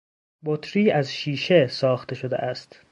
بطری از شیشه ساخته شده است.